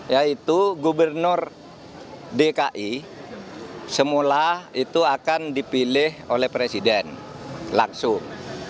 yaitu gubernur dki semula itu akan dipilih oleh presiden langsung